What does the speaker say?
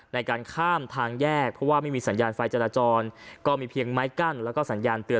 ในการข้ามทางแยกเพราะว่าไม่มีสัญญาณไฟจราจรก็มีเพียงไม้กั้นแล้วก็สัญญาณเตือน